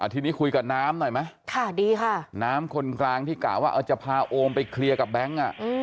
ทีนี้คุยกับน้ำหน่อยไหมค่ะดีค่ะน้ำคนกลางที่กะว่าจะพาโอมไปเคลียร์กับแบงค์